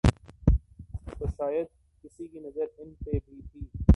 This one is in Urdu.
تو شاید کسی کی نظر ان پہ بھی تھی۔